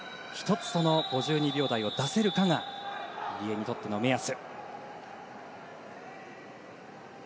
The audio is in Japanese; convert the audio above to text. １つ、その５２秒台を出せるかが入江にとっての目安。